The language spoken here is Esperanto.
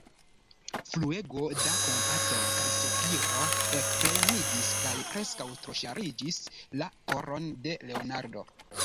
Fluego da kompato kaj sopiro ekplenigis kaj preskaŭ troŝarĝis la koron de Leonardo.